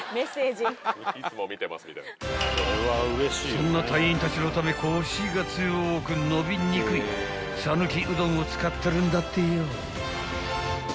［そんな隊員たちのためコシが強く伸びにくい讃岐うどんを使ってるんだってよ］